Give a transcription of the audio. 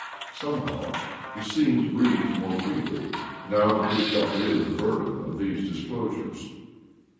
" Somehow he seemed to breathe more freely now that he had got rid of the burden of these disclosures.